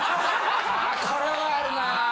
これはあるな。